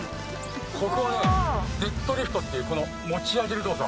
ここねデッドリフトっていうこの持ち上げる動作。